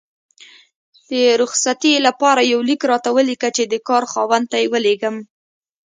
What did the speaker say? د رخصتي لپاره یو لیک راته ولیکه چې د کار خاوند ته یې ولیږم